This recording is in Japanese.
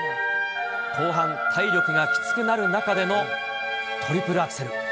後半、体力がきつくなる中でのトリプルアクセル。